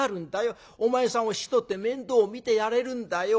お前さんを引き取って面倒を見てやれるんだよ。